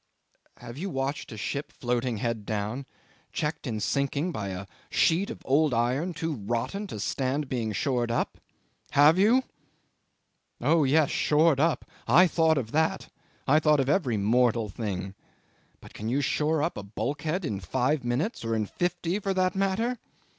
Have you watched a ship floating head down, checked in sinking by a sheet of old iron too rotten to stand being shored up? Have you? Oh yes, shored up? I thought of that I thought of every mortal thing; but can you shore up a bulkhead in five minutes or in fifty for that matter?